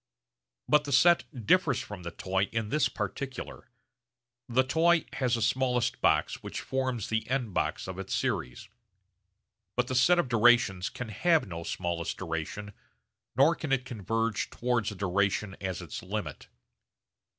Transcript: But the set differs from the toy in this particular: the toy has a smallest box which forms the end box of its series; but the set of durations can have no smallest duration nor can it converge towards a duration as its limit.